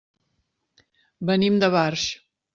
Venim de Barx.